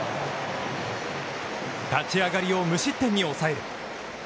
立ち上がりを無失点に抑える。